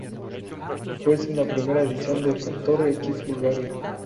Juez en la primera edición de Factor X Bulgaria.